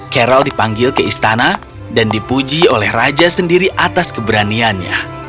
carol dipanggil ke istana dan dipuji oleh raja sendiri atas keberaniannya